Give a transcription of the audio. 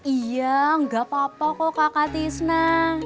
iya nggak apa apa kok kakak tisna